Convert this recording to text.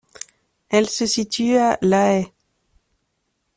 Elles se situent à La Haye.